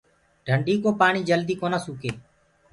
ڌنڊينٚ ڪو پآڻي جدي ڪونآ سُکي۔